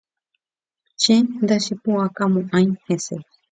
Che ndachepuʼakamoʼãi hese.